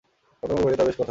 মাতঙ্গ কহিল, তা বেশ কথা।